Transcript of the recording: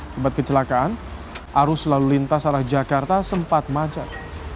tempat kecelakaan arus lalu lintas arah jakarta sempat macet